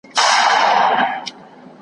ما به څه کول دنیا چي څه به کیږي .